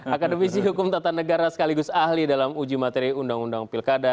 akademisi hukum tata negara sekaligus ahli dalam uji materi undang undang pilkada